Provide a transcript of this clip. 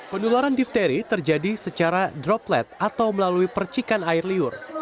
penularan difteri terjadi secara droplet atau melalui percikan air liur